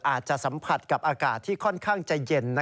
อาจจะสัมผัสกับอากาศที่ค่อนข้างจะเย็น